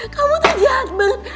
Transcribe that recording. kamu tuh jahat banget